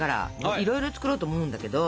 いろいろ作ろうと思うんだけど。